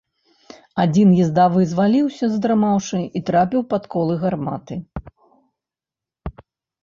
Адзін ездавы зваліўся, задрамаўшы, і трапіў пад колы гарматы.